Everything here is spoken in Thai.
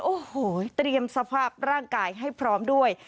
โอ้โหเตรียมสภาพร่างกายให้พร้อมด้วย